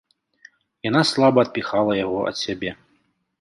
Яна слаба адпіхала яго ад сябе.